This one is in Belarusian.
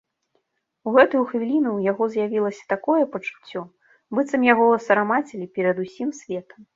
У гэтую хвіліну ў яго з'явілася такое пачуццё, быццам яго асарамацілі перад усім светам.